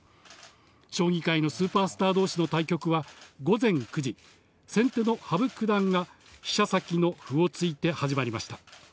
将棋界のスーパースターどうしの対局は午前９時、先手の羽生九段が、飛車先の歩を突いて始まりました。